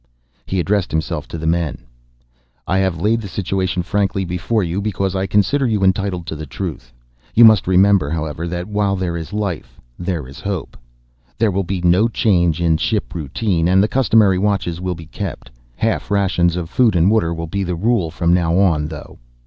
He addressed himself to the men: "I have laid the situation frankly before you because I consider you entitled to the truth. You must remember, however, that while there is life there is hope. "There will be no change in ship routine, and the customary watches will be kept. Half rations of food and water will be the rule from now on, though.